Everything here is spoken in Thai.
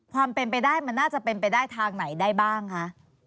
ความเป็นไปได้มันน่าจะเป็นไปได้ทางไหนได้บ้างคะ